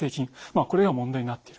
これが問題になっている。